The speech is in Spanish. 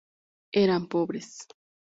Eran pobres.